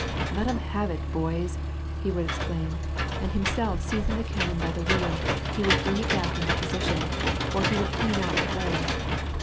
" Let 'em have it boys !" he would exclaim, and himself seizing the cannon by the wheel, he would bring it back into position, or he would clean out the bore.